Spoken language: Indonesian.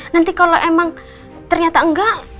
nanti kalau emang ternyata enggak